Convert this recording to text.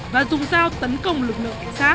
và dùng dao tấn công lực lượng cảnh sát